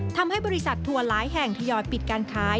ทำให้บริษัททัวร์หลายแห่งทยอยปิดการขาย